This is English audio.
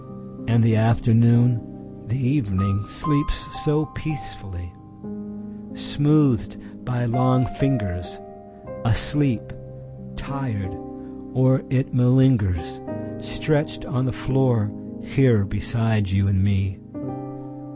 ……..And the afternoon, the evening, sleeps so peacefully! Smoothed by long fingers, Asleep … tired … or it malingers, Stretched on the floor, here beside you and me.